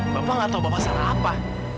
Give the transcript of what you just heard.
bapak nggak tahu bapak salah apa